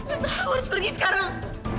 aku harus pergi sekarang